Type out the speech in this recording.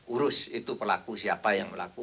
urus itu pelaku siapa yang melakukan